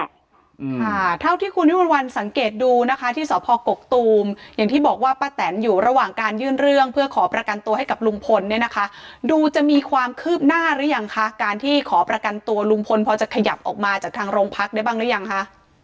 ค่ะเท่าที่คุณวิมวลวันสังเกตดูนะคะที่สพกกตูมอย่างที่บอกว่าป้าแตนอยู่ระหว่างการยื่นเรื่องเพื่อขอประกันตัวให้กับลุงพลเนี่ยนะคะดูจะมีความคืบหน้าหรือยังคะการที่ขอประกันตัวลุงพลพอจะขยับออกมาจากทางโรงพักได้บ้างหรือยังคะ